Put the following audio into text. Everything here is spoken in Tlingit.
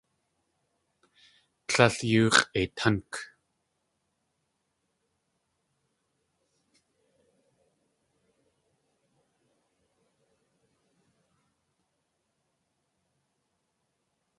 Tlél yoo x̲ʼeitánk.